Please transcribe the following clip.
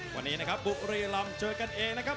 วันนี้นะครับบุรีรำเจอกันเองนะครับ